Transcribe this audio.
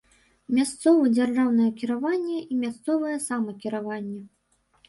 Мясцовы дзяржаўнае кіраванне і мясцовае самакіраванне.